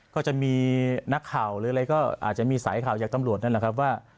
ก็จะมีนักข่าวหรืออะไรก็อาจจะมีสายข่าวจากตำรวจนั่นแหละครับว่า